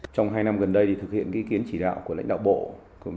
trong hai năm gần đây thực hiện ý kiến chỉ đạo của lãnh đạo bộ